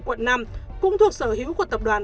quận năm cũng thuộc sở hữu của tập đoàn